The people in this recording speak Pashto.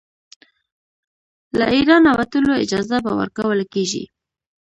له اېرانه وتلو اجازه به ورکوله کیږي.